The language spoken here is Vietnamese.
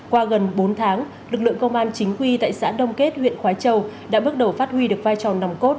qua gần bốn tháng lực lượng công an chính quy tại xã đông kết huyện khói châu đã bước đầu phát huy được vai trò nòng cốt